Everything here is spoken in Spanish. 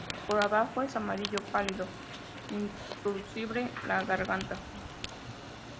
Por abajo es amarillo pálido, inclusive la garganta.